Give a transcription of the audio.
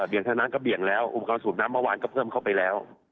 เท่านั้นก็เบี่ยงแล้วอุปกรณ์สูบน้ำเมื่อวานก็เพิ่มเข้าไปแล้ว